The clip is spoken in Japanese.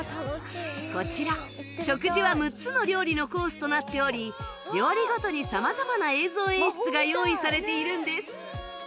こちら食事は６つの料理のコースとなっており料理ごとに様々な映像演出が用意されているんです